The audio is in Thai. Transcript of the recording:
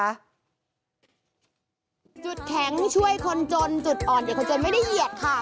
จุดแข็งช่วยคนจนจุดอ่อนเด็กคนจนไม่ได้เหยียดค่ะ